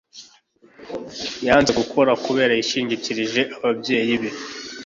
Yanze gukora kubera Yishingikirije ababyeyi be.